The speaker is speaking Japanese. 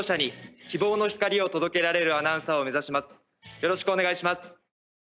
よろしくお願いします。